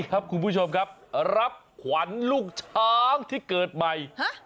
คุณผู้ชมครับรับขวัญลูกช้างที่เกิดใหม่